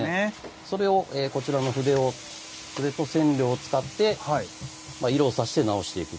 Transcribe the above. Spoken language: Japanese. それをこちらの筆と染料を使って色を挿して直していく。